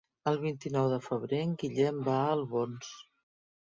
El vint-i-nou de febrer en Guillem va a Albons.